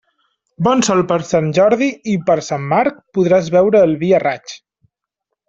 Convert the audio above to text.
Bon sol per Sant Jordi i per Sant Marc, podràs beure el vi a raig.